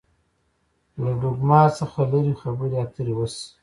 له ډوګما څخه لري خبرې اترې وشي.